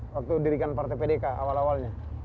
waktu dirikan partai pdk awal awalnya